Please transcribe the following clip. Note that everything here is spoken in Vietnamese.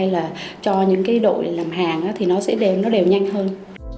và cho những đội làm hàng thì nó sẽ đều nhanh hơn